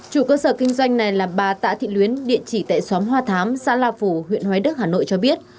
chủ cơ sở kinh doanh này là bà tạ thị luyến địa chỉ tại xóm hoa thám xã la phủ huyện hoài đức hà nội cho biết